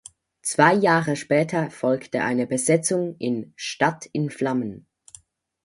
Zwei Jahre später folgte eine Besetzung in "Stadt in Flammen".